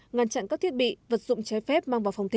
ngăn chặn các thiết bị vật dụng trái phép mang vào phòng thi